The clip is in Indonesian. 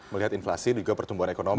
melihat inflasi juga pertumbuhan ekonomi